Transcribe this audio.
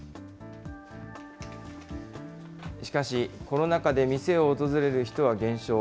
しかし、コロナ禍で店を訪れる人は減少。